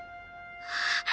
あっ。